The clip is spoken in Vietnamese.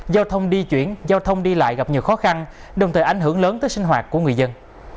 giao thông đi chuyển giao thông đi lại gặp nhiều khó khăn đồng thời ảnh hưởng lớn tới sinh hoạt của người dân